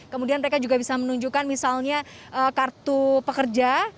kemudian mereka juga bisa menunjukkan misalnya kartu pekerja